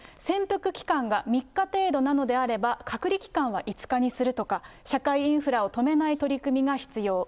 潜伏期間が３日程度なのであれば、隔離期間は５日にするとか、社会インフラを止めない取り組みが必要。